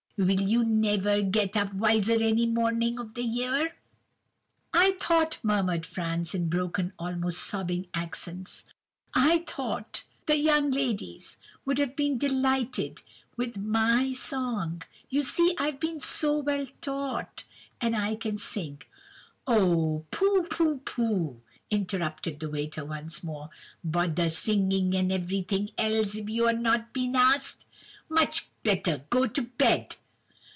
'Will you never get up wiser any morning of the year?' "'I thought,' murmured Franz, in broken, almost sobbing accents—'I thought—the young ladies—would have been delighted—with—my song;—you see—I've been—so well taught—and I can sing—' "'Oh! pooh, pooh, pooh!' interrupted the waiter once more. 'Bother singing and everything else, if you've not been asked! Much better go to bed!